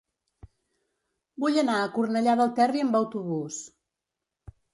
Vull anar a Cornellà del Terri amb autobús.